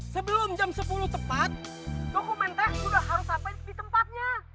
sebelum jam sepuluh tepat dokumenter sudah harus sampai di tempatnya